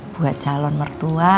buat calon mertua